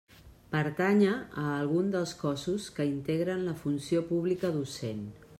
Pertànyer a algun dels cossos que integren la funció pública docent.